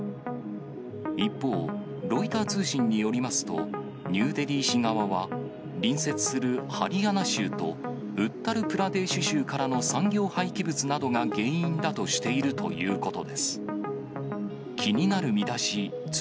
一方、ロイター通信によりますと、ニューデリー市側は隣接するハリヤナ州とウッタルプラデーシュ州からの産業廃棄物などが原因だとしているということです。